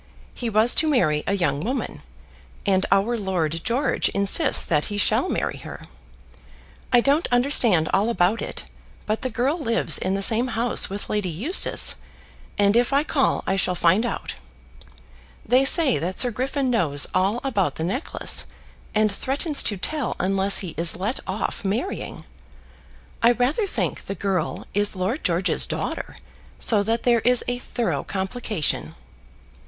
He was to marry a young woman, and our Lord George insists that he shall marry her. I don't understand all about it, but the girl lives in the same house with Lady Eustace, and if I call I shall find out. They say that Sir Griffin knows all about the necklace, and threatens to tell unless he is let off marrying. I rather think the girl is Lord George's daughter, so that there is a thorough complication.